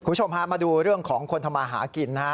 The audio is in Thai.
คุณผู้ชมฮะมาดูเรื่องของคนทำมาหากินนะฮะ